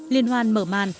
liên hoan mở màn